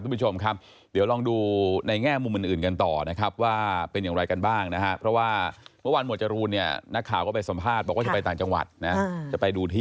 ทุกผู้ชมครับเดี๋ยวลองดู